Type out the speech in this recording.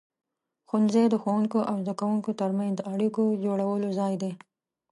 ښوونځی د ښوونکو او زده کوونکو ترمنځ د اړیکو د جوړولو ځای دی.